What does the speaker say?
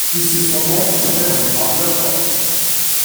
Jetzt ist sie von Motten zerfressen und hat Löcher.